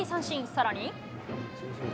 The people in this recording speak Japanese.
さらに。